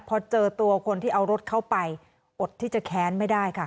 พอเจอตัวคนที่เอารถเข้าไปอดที่จะแค้นไม่ได้ค่ะ